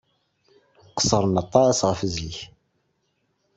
Qeṣṣren aṭas ɣef zik.